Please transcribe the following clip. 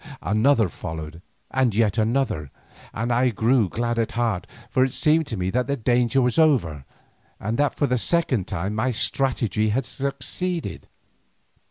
Another followed, and yet another, and I grew glad at heart, for it seemed to me that the danger was over, and that for the second time my strategy had succeeded.